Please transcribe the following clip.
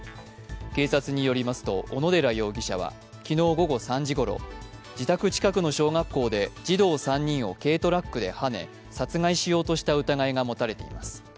警察によりますと、小野寺容疑者は昨日午後３時ごろ、自宅近くの小学校で児童３人を軽トラックではね殺害しようとした疑いが持たれています。